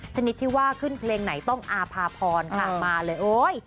ชนิดที่ว่าขึ้นเพลงไหนต้องอภพรมาเลย